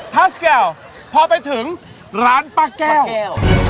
ฟัสแกลลพอไปถึงร้านป้าแก้ว